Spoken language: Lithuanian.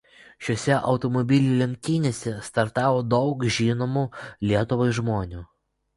Šiose automobilių lenktynėse startavo daug žinomų Lietuvai žmonių.